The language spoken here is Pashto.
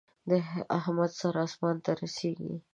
د احمد سر اسمان ته رسېږي.